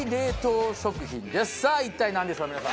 さあ一体なんでしょう皆さん。